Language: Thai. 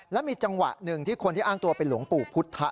และมีจังหวะหนึ่งที่คนที่อ้างตัวเป็นหลวงปู่พุทธะ